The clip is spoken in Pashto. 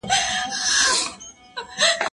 زه اجازه لرم چي مړۍ وخورم!!